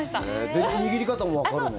で、握り方もわかるの？